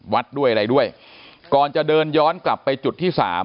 วัดด้วยอะไรด้วยก่อนจะเดินย้อนกลับไปจุดที่สาม